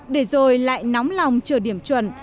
để rồi lại nóng lòng chờ điểm chuẩn